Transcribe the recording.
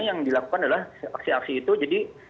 yang dilakukan adalah aksi aksi itu jadi